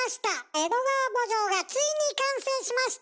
「江戸川慕情」がついに完成しました！